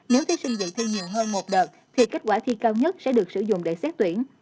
nếu thí sinh dự thi nhiều hơn một đợt thì kết quả thi cao nhất sẽ được sử dụng để xét tuyển